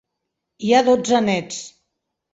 Hi ha dotze néts.